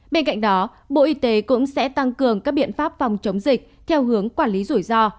bên cạnh đó bộ y tế cũng sẽ tăng cường các biện pháp phòng chống dịch theo hướng quản lý rủi ro